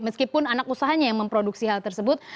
meskipun anak usahanya yang memproduksi hal tersebut